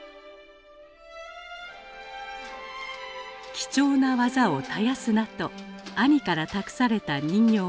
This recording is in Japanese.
貴重な技を絶やすなと兄から託された人形方。